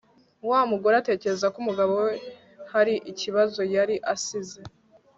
wa mugore atekereza ko umugabo we hari ikibazo yari asize